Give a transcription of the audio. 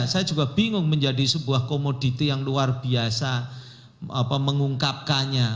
saya juga bingung menjadi sebuah komoditi yang luar biasa mengungkapkannya